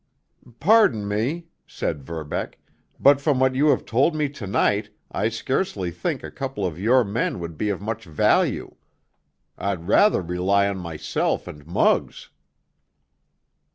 "Pardon me," said Verbeck, "but from what you have told me to night I scarcely think a couple of your men would be of much value. I'd rather rely on myself and Muggs."